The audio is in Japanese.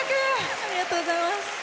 ありがとうございます。